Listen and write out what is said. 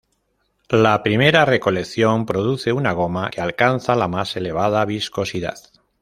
La primera recolección produce una goma que alcanza la más elevada viscosidad.